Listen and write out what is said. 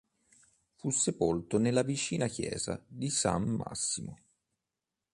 Fu sepolto nella vicina Chiesa di San Massimo.